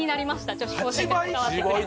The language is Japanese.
女子高生が関わってくれて。